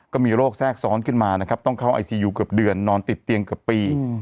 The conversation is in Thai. ก็มีโรคแทรกซ้อนขึ้นมานะครับต้องเข้าไอซียูเกือบเดือนนอนติดเตียงเกือบปี